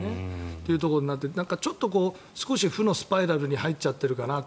というところでちょっと負のスパイラルに入っちゃっているかなって。